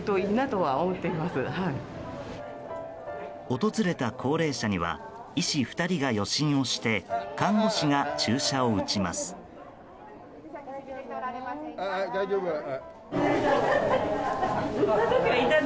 訪れた高齢者には医師２人が予診をして看護師が注射を打ちます。